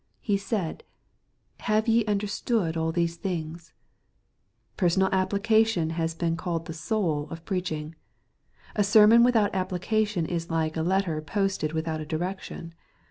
He said, " Have ye understood all these things ?" Personal application has been called the " soul" of preaching. A sermon without application is like a letter posted without a direction.